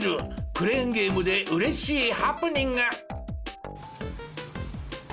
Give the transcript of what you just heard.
クレーンゲームで嬉しいハプニング！